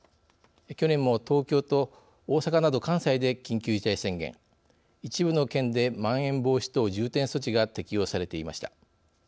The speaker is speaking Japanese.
去年も東京と大阪など関西で緊急事態宣言一部の県でまん延防止等重点措置が適用されていました。